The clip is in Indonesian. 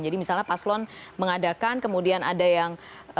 jadi misalnya paslon mengadakan kemudian ada yang